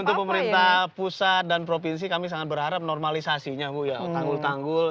untuk pemerintah pusat dan provinsi kami sangat berharap normalisasinya bu ya tanggul tanggul